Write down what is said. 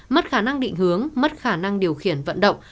mất khả năng định hướng mất khả năng điều khiển vận động